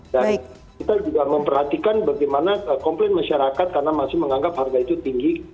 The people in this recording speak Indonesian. dan kita juga memperhatikan bagaimana komplain masyarakat karena masih menganggap harga itu tinggi